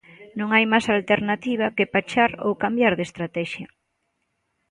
Non hai máis alternativa que pechar ou cambiar de estratexia.